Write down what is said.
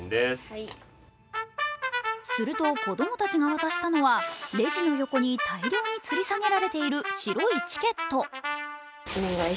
すると子供たちが渡したのは、レジの横に大量につり下げられている白いチケット。